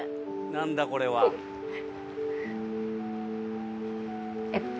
何だこれは。えっと。